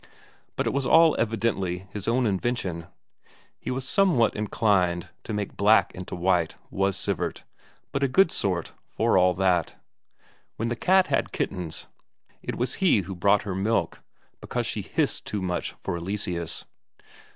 But it was all evidently his own invention; he was somewhat inclined to make black into white, was Sivert, but a good sort for all that. When the cat had kittens, it was he who brought her milk, because she hissed too much for Eleseus.